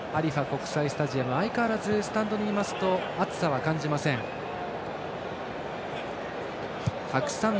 国際スタジアム相変わらずスタンドにいますと暑さは感じません。